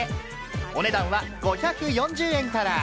お値段は５４０円から。